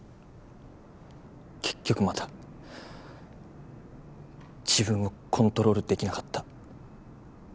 結局また自分をコントロールできなかった。